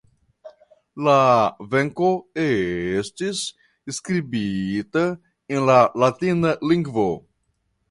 La verko estis skribita en la latina lingvo.